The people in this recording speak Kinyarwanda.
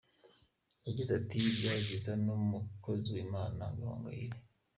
Yagize ati “Byari byiza numukozi w’Imana gahongayire.